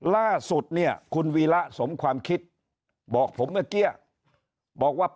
ล่าสุดเนี่ยคุณวีระสมความคิดบอกผมเมื่อกี้บอกว่า